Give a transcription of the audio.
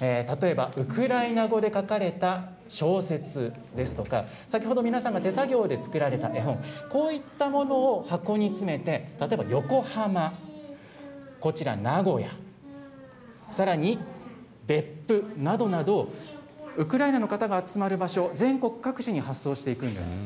例えば、ウクライナ語で書かれた小説ですとか、先ほど皆さんが手作業で作られた絵本、こういったものを箱に詰めて、例えば横浜、こちら名古屋、さらに、別府などなど、ウクライナの方が集まる場所、全国各地に発送していくんです。